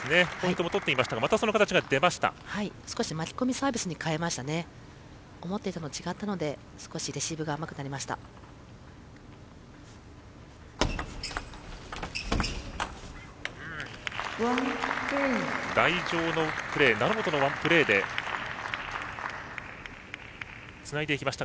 思っていたのと違ったので少しレシーブが甘くなりました。